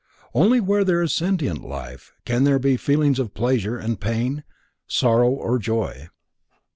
Only where there is sentient life can there be feelings of pleasure and pain, sorrow or joy.